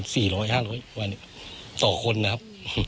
ร้อยห้าร้อยวันต่อคนนะครับ